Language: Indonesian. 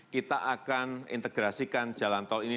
kita akan integrasikan jalan tol ini